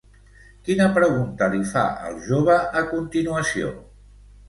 Quina pregunta li fa al jove a continuació?